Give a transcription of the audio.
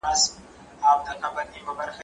زه هره ورځ لوښي وچوم